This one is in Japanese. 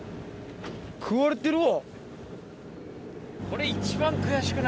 食われてるわ。